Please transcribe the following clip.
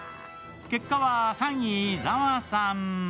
結果は３位、伊沢さん。